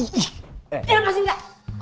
eh masih gak